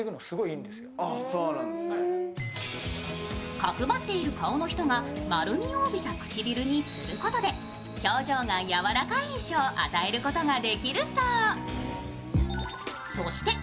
角張っている顔の人が丸みを帯びた唇にすることで表情がやわらかい印象を与えることができるそう。